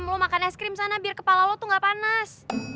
melu makan es krim sana biar kepala lo tuh gak panas